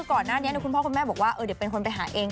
ก่อนหน้านี้คุณพ่อคุณแม่บอกว่าเดี๋ยวเป็นคนไปหาเอง